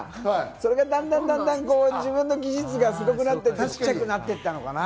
それがだんだん自分の技術がすごくなっていって、小ちゃくなっていったのかな？